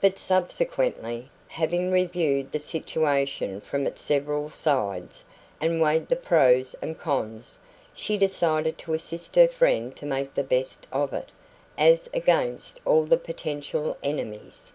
But subsequently, having reviewed the situation from its several sides, and weighed the pros and cons, she decided to assist her friend to make the best of it, as against all potential enemies.